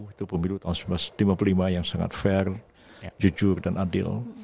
itu pemilu tahun seribu sembilan ratus lima puluh lima yang sangat fair jujur dan adil